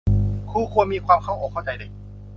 ครูควรมีความเข้าอกเข้าใจเด็ก